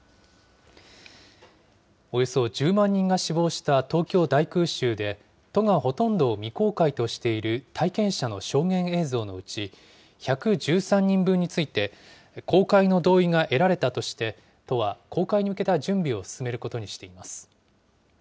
およそ１０万人が死亡した東京大空襲で、都がほとんどを未公開としている体験者の証言映像のうち、１１３人分について、公開の同意が得られたとして、都は公開に向けた準備を進めることにしています。